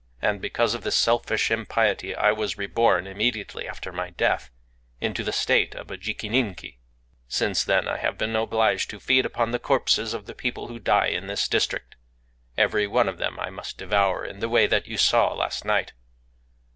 And because of this selfish impiety I was reborn, immediately after my death, into the state of a jikininki. Since then I have been obliged to feed upon the corpses of the people who die in this district: every one of them I must devour in the way that you saw last night...